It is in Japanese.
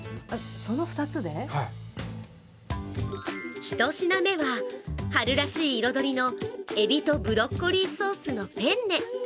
１品目は、春らしい彩りのエビとブロッコリーソースのペンネ。